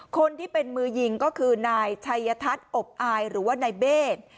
คนที่เป็นมือยิงก็คือนายชัยทัศน์อบอายหรือว่านายเบศ